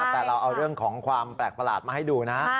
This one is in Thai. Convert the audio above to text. แต่เราเอาเรื่องของความแปลกประหลาดมาให้ดูนะ